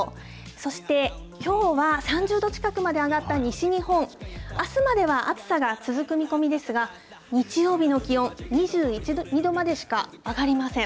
そしてきょうは３０度近くまで上がった西日本、あすまでは暑さが続く見込みですが、日曜日の気温、２１、２度までしか上がりません。